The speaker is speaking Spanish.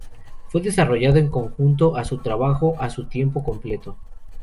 Fue desarrollado en conjunto a su trabajo a tiempo completo.